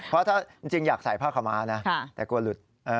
เพราะถ้าจริงอยากใส่ผ้าขาวม้านะแต่กลัวหลุด